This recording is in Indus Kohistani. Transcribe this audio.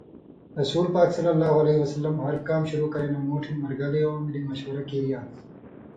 رسول پاک ﷺ ہر کام شروع کرَیں نہ موٹھِن مرگلیوں ملی مشورہ کیریان٘س۔